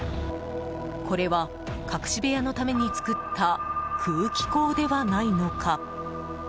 これは、隠し部屋のために作った空気口ではないのか。